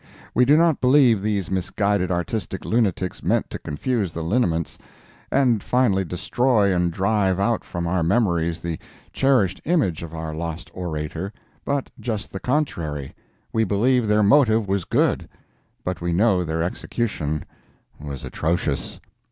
We do not believe these misguided artistic lunatics meant to confuse the lineaments, and finally destroy and drive out from our memories the cherished image of our lost orator, but just the contrary. We believe their motive was good, but we know their execution was atrocious.